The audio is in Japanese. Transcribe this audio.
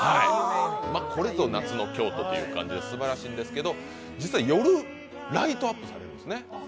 これぞ夏の京都という感じですばらしいんですけど、実は夜、ライトアップされるんですね。